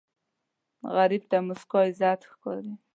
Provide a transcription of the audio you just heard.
غریب ته موسکا عزت ښکاري